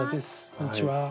こんにちは。